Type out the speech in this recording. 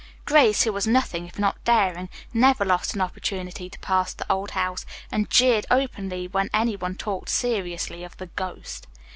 Grace, who was nothing if not daring, never lost an opportunity to pass the old house, and jeered openly when any one talked seriously of the "ghost."